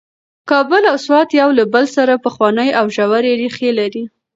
کابل او سوات یو له بل سره پخوانۍ او ژورې ریښې لري.